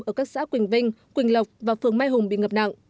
ở các xã quỳnh vinh quỳnh lộc và phường mai hùng bị ngập nặng